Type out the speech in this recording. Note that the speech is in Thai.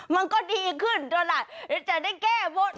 มันก็ดีขึ้นเท่าไหร่จะได้แก้บน